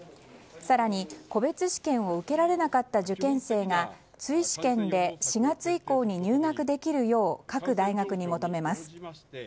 更に、個別試験を受けられなかった受験生が追試験で４月以降に入学できるよう各大学に求めます。